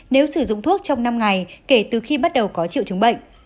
nếu sử dụng thuốc trong năm ngày kể từ khi bắt đầu có triệu chứng bệnh